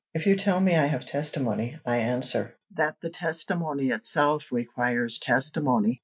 If you tell me I have testimony, I answer, that the testimony itself requires testimony.